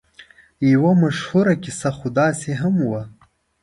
یوه مشهوره کیسه خو داسې هم وه.